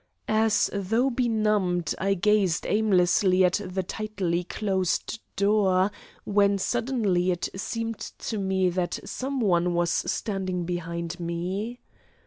As though benumbed I gazed aimlessly at the tightly closed door, when suddenly it seemed to me that some one was standing behind me.